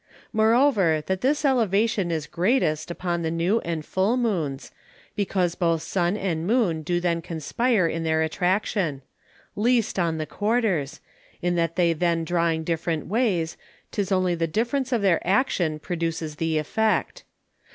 Moreover, That this Elevation is greatest upon the New and Full Moons, because both Sun and Moon do then conspire in their Attraction; least on the Quarters, in that they then drawing different ways, 'tis only the Difference of their Actions produces the Effect.